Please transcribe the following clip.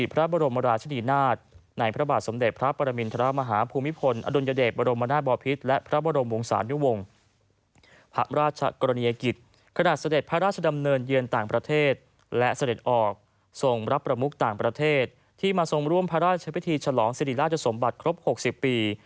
ภาพราชกรณียกิจขนาดเสด็จพระราชดำเนินเยียนต่างประเทศและเสด็จออกส่งรับประมุกต่างประเทศที่มาส่งร่วมพระราชพิธีฉลองสิริราชสมบัติครบ๖๐ปี